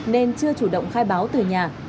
nên chưa chủ động khai báo từ nhà